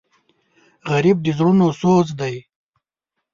غریب د زړونو سوز دی